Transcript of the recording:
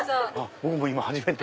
僕も今初めて。